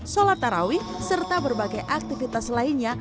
sholat tarawih serta berbagai aktivitas lainnya